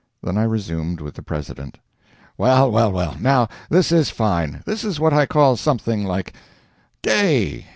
Then I resumed with the President: "Well, well, well. Now this is fine. This is what I call something like. Gay?